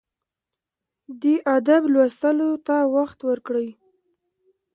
د ادب لوستلو ته وخت ورکړئ.